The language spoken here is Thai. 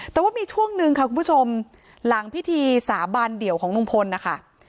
แต่ว่ามีช่วงหนึ่งค่ะคุณผู้ชมหลังพิธีสาบานเดี่ยวของลุงพลนะคะ